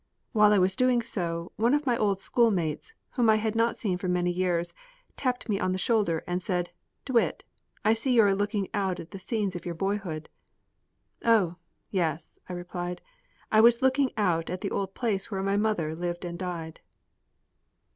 While I was doing so, one of my old schoolmates, whom I had not seen for many years, tapped me on the shoulder, and said: "DeWitt, I see you are looking out at the scenes of your boyhood." "Oh, yes," I replied, "I was looking out at the old place where my mother lived and died."